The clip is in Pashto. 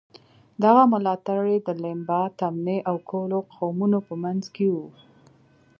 دغه ملاتړي د لیمبا، تمني او لوکو قومونو په منځ کې وو.